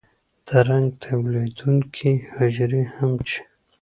د رنګ تولیدونکي حجرې هم چې